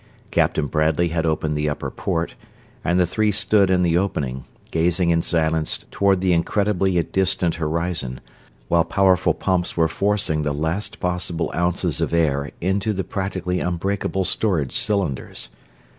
Captain Bradley had opened the upper port and the three stood in the opening, gazing in silence toward the incredibly distant horizon, while powerful pumps were forcing the last possible ounces of air into the practically unbreakable storage cylinders.